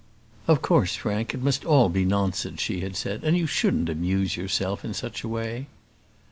"Of course, Frank, it must be all nonsense," she had said; "and you shouldn't amuse yourself in such a way."